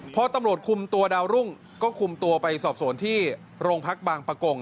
พอตำรวจคุมตัวดาวรุ่งก็คุมตัวไปสอบสวนที่โรงพักบางประกง